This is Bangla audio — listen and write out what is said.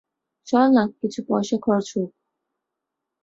চল না, কিছু পয়সা খরচ হোক।